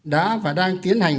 đã và đang tiến hành